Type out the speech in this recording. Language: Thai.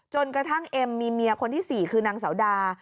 จนกระทั่งเอ็มมีเมียคนที่๔คือนางสาวดา